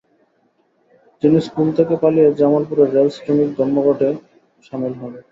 তিনি স্কুল থেকে পালিয়ে জামালপুরের রেল শ্রমিক ধর্মঘটে সামিল হন।